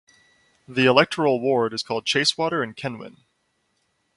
The electoral ward is called Chacewater and Kenwyn.